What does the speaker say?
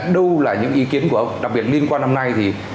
đâu là những ý kiến của ông đặc biệt liên quan năm nay thì